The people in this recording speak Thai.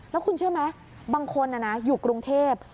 แล้วคุณเชื่อไหมบางคนอยู่กรุงเทพ